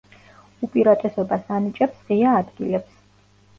უპირატესობას ანიჭებს ღია ადგილებს.